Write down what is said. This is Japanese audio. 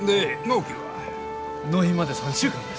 納品まで３週間です。